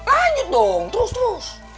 lanjut dong terus terus